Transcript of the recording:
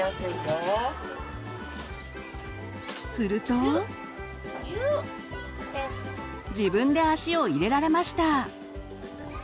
すると自分で足を入れられました。